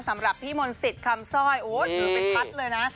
สำหรับพี่มนต์สิทธิ์คำซ่อยโอ้ถือเป็นพัดเลยนะ